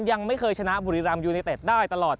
ยังไม่เคยชนะบุรีรัมยูเนเต็ดได้ตลอด